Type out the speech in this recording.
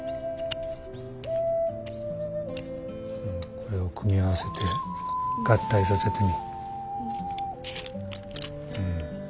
これを組み合わせて合体させてみ。